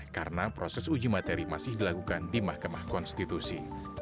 karena proses uji materi masih dilakukan di mahkamah konstitusi